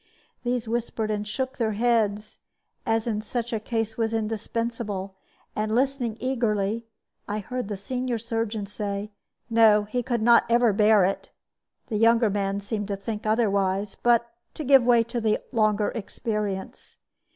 These whispered and shook their heads, as in such a case was indispensable; and listening eagerly, I heard the senior surgeon say, "No, he could never bear it." The younger man seemed to think otherwise, but to give way to the longer experience.